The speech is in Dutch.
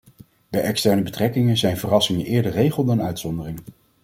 Bij externe betrekkingen zijn verrassingen eerder regel dan uitzondering.